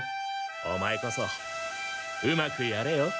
オマエこそうまくやれよ。